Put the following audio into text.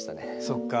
そっか。